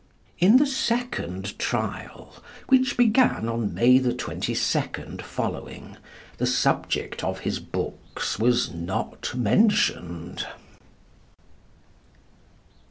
In the second trial, which began on May 22nd following, the subject of his books was not mentioned.